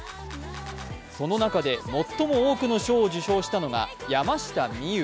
その中で最も多くの賞を受賞したのが山下美夢有。